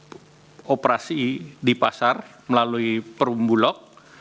jadi itu adalah operasi di pasar melalui perumbulok